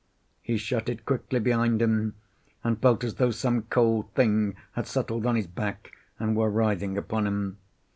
He shut it quickly behind him, and felt as though some cold thing had settled on his back and were writhing upon him.